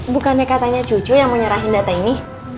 bukannya katanya cucu yang menyerahkan data ini